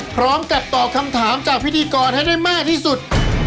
ตอบคำถามจากพิธีกรให้ได้มากที่สุด